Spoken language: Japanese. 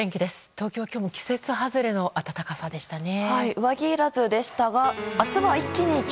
東京は今日も季節外れの暖かさでしたね。